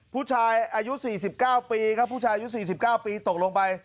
ผู้ชายอายุ๔๙ปีครับผู้ชายอายุ๔๙ปีตกลงไป